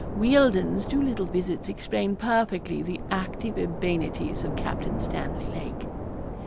Wealdon's two little visits explained perfectly the active urbanities of Captain Stanley Lake.